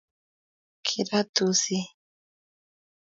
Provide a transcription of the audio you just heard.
kirat usit